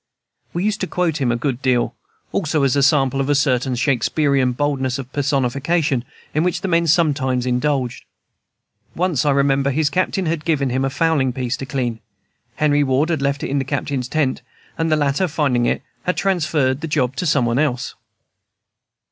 We used to quote him a good deal, also, as a sample of a certain Shakespearian boldness of personification in which the men sometimes indulged. Once, I remember, his captain had given him a fowling piece to clean. Henry Ward had left it in the captain's tent, and the latter, finding it, had transferred the job to some one else.